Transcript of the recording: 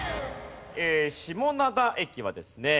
下灘駅はですね